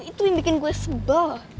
itu yang bikin gue sebel